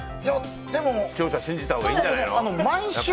視聴者信じたほうがいいんじゃないの？